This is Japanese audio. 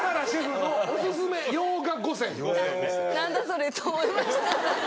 何だそれと思いました。